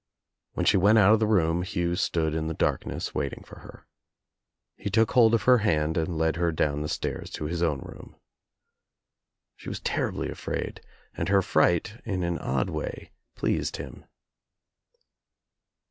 When she went out of the room Hugh stood in the darkness waiting for her. He took hold of her hand and led her down the stairs to his own room. She was terribly afraid and her fright in an odd way pleased him.